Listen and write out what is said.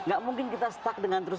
gak mungkin kita stuck dengan terus